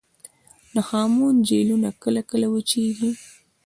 د هامون جهیلونه کله کله وچیږي